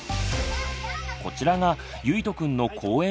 こちらがゆいとくんの公園